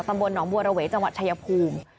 ตำบลหนองบัวระเวจังหวัดชายภูมิ